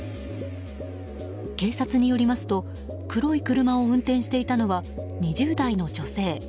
警察によりますと、黒い車を運転していたのは２０代の女性。